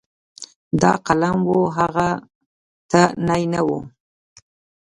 دا قلم و هغه ته نی نه وي.